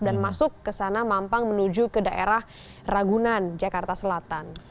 dan masuk ke sana mampang menuju ke daerah ragunan jakarta selatan